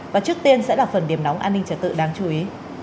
và trước tiên sẽ là phần điểm nóng an ninh trật tự đáng chú ý